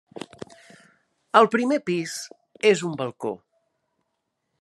Al primer pis és un balcó.